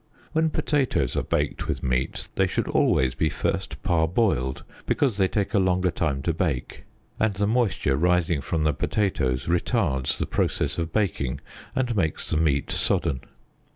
When potatoes are baked with meat, they should always be first parboiled, because they take a longer time to bake, and the moisture rising from the potatoes retards the process of baking, and makes the meat sodden.